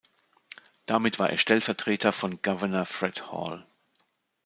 Damit war er Stellvertreter von Gouverneur Fred Hall.